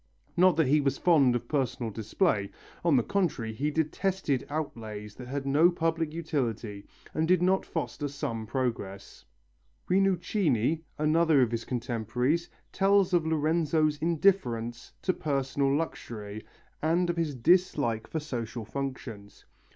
Not that he was fond of personal display, on the contrary he detested outlays that had no public utility or did not foster some progress. Rinuccini, another of his contemporaries, tells us of Lorenzo's indifference to personal luxury and of his dislike for society functions.